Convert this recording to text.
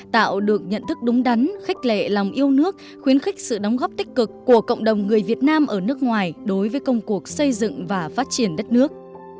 tạo được nhận thức đúng đắn khách lệ lòng yêu nước khuyến khích sự đóng góp tích cực của cộng đồng người việt nam ở nước ngoài đối với công cuộc xây dựng và phát triển đất nước